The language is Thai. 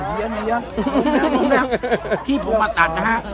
เยี้ยมคงแน่ล่ะคงแน่ล่ะที่ผมมาตัด